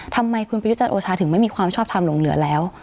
ทำไมคุณพิจารโอชาถึงไม่มีความชอบทำลงเหลือแล้ว